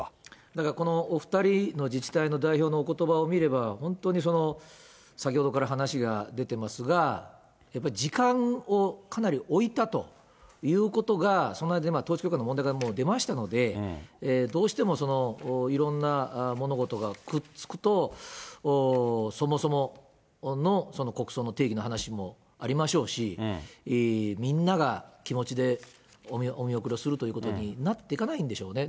だからこのお２人の自治体の代表のおことばを見れば、本当に先ほどから話が出てますが、やっぱり時間をかなり置いたということが、その間、統一教会の問題が出ましたので、どうしてもいろんな物事がくっつくと、そもそもの国葬の定義の話もありましょうし、みんなが気持ちでお見送りをするということになっていかないんでしょうね。